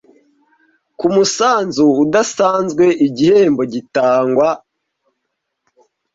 Ku musanzu udasanzwe igihembo gitangwa